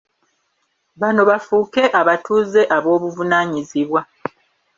Bano bafuuke abatuuze ab’obuvunaanyizibwa.